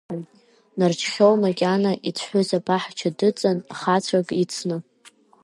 Нарџьхьоу макьана ицәҳәыз абаҳча дыҵан, хацәак ицны.